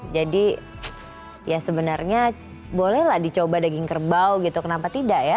jadi ya sebenarnya bolehlah dicoba daging kerbau gitu kenapa tidak ya